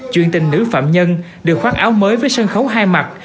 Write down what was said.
chuyện tình nữ phạm nhân được khoác áo mới với sân khấu hai mặt